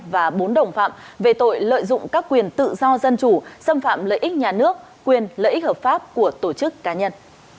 và bốn đồng phạm về tội lợi dụng các quyền tự do dân chủ xâm phạm lợi ích nhà nước quyền lợi ích hợp pháp của tổ chức cá nhân